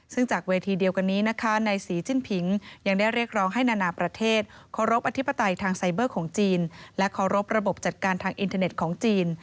ซึ่งจากเวทีเดียวกันนี้นะคะในศรีจิ้นผิงยังได้เรียกร้องให้นานาประเทศเคารพอธิปไตยทางไซเบอร์ของจีนและเคารพระบบจัดการทางอินเทอร์เน็ตของจีน